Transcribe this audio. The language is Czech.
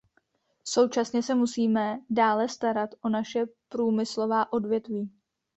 Současně se musíme dále starat o naše průmyslová odvětví.